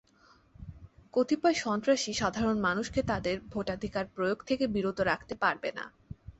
কতিপয় সন্ত্রাসী সাধারণ মানুষকে তাদের ভোটাধিকার প্রয়োগ থেকে বিরত রাখতে পারবে না।